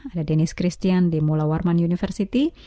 ada dennis christian di mula warman university